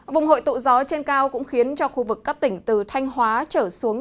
vùng hội tụ gió trên cao cũng khiến cho khu vực các tỉnh từ thanh hóa trở xuống